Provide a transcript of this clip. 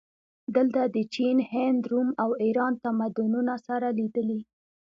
دلته د چین، هند، روم او ایران تمدنونه سره لیدلي